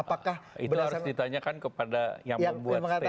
apakah itu harus ditanyakan kepada yang membuat statement